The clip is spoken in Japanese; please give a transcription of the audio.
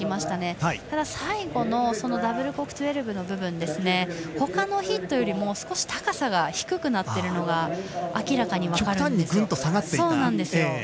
ただ、最後のダブルコーク１２６０の部分はほかのヒットよりも少し高さが低くなっているのが明らかに分かるんですよ。